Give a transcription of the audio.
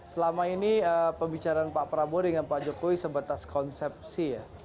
selama ini pembicaraan pak prabowo dengan pak jokowi sebatas konsepsi ya